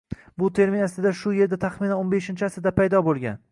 Bu termin aslida shu yerda taxminan o‘n beshinchi asrda paydo bo'lgan